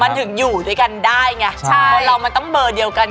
มันถึงอยู่ด้วยกันไงคนเรามาต้องเมอเดียวกัน